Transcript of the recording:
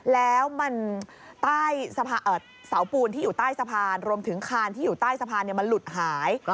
รวมถึงคานที่อยู่ใต้สะพานมันหลุดหาย